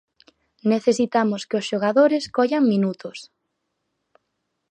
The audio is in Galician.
Necesitamos que os xogadores collan minutos.